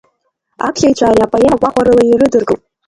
Аԥхьаҩцәа ари апоема гәахәарыла ирыдыркылт.